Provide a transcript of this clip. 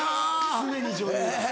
常に女優。